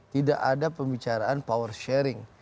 tidak ada pembicaraan power sharing